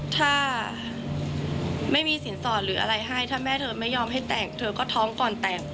ถ้าไม่มีสินสอดหรืออะไรให้ถ้าแม่เธอไม่ยอมให้แต่งเธอก็ท้องก่อนแต่ง